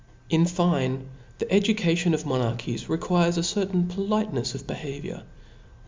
In fine, the education of monarchies requires a certain politenefs of behaviour.